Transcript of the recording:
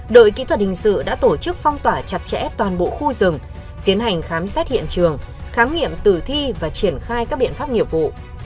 đội kỹ thuật hình sự đã tổ chức phong tỏa chặt chẽ toàn bộ khu rừng tiến hành khám xét hiện trường khám nghiệm tử thi và triển khai các biện pháp nghiệp vụ